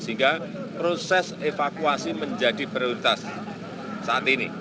sehingga proses evakuasi menjadi prioritas saat ini